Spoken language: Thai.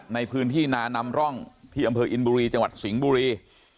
ในพื้นที่นานำร่องที่อำเภออินบุรีจังหวัดสิงห์บุรี